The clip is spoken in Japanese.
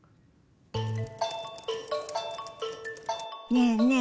ねえねえ